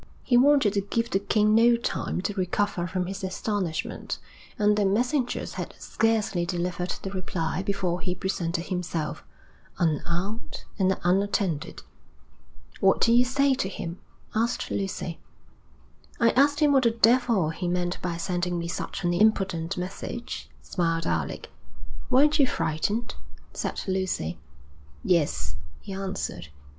He wanted to give the king no time to recover from his astonishment, and the messengers had scarcely delivered the reply before he presented himself, unarmed and unattended. 'What did you say to him?' asked Lucy. 'I asked him what the devil he meant by sending me such an impudent message,' smiled Alec. 'Weren't you frightened?' said Lucy. 'Yes,' he answered.